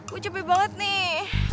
gue capek banget nih